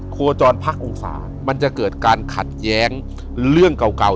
โคจรพักองศามันจะเกิดการขัดแย้งเรื่องเก่า